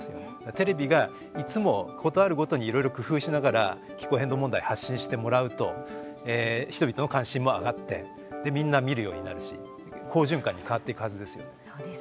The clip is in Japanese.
テレビがいつも事あるごとにいろいろ工夫しながら気候変動問題を発信してもらうと人々の関心も上がってで、みんな見るようになるし好循環に変わっていくはずですよね。